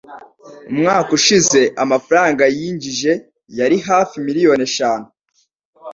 Umwaka ushize amafaranga yinjije yari hafi miliyoni eshanu